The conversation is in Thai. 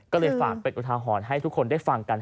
ก็เลยฝากเป็นอุทาหรณ์ให้ทุกคนได้ฟังกัน